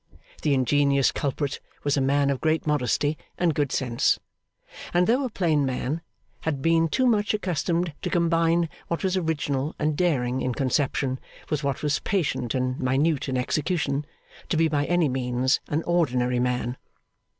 The ingenious culprit was a man of great modesty and good sense; and, though a plain man, had been too much accustomed to combine what was original and daring in conception with what was patient and minute in execution, to be by any means an ordinary man.